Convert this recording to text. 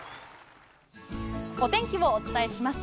お天気をお伝えします。